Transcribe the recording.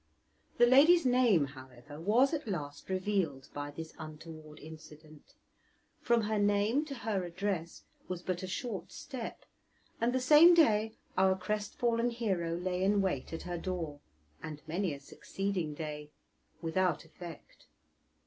The lady's name, however, was at last revealed by this untoward incident; from her name to her address was but a short step, and the same day our crestfallen hero lay in wait at her door, and many a succeeding day, without effect.